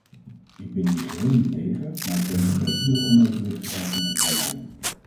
Ik ben hier geheel niet tegen, maar denk dat wij iedere onevenwichtigheid moeten vermijden.